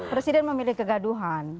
presiden memilih kegaduhan